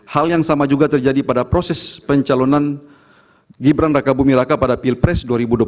hal yang sama juga terjadi pada proses pencalonan gibran raka bumi raka pada pilpres dua ribu dua puluh empat